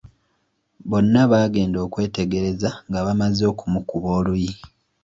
Bonna baagenda okwetegereza nga bamaze okumukuba oluyi.